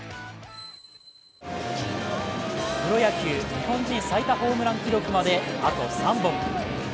プロ野球、日本人最多ホームラン記録まで、あと３本。